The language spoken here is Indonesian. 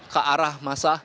ke arah masa